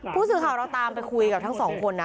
ผู้สื่อข่าวเราตามไปคุยกับทั้งสองคนนะ